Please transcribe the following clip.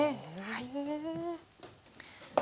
はい。